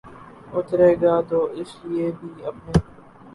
اترے گا تو اس کے لیے بھی اپنے